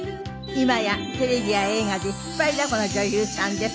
今やテレビや映画で引っ張りだこの女優さんです。